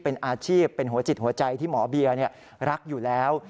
เป็นอาชีพเป็นหัวจิตหัวใจที่หมอเบียร์รักอยู่แล้ว